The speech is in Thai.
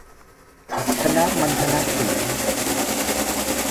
คณะมัณฑนศิลป์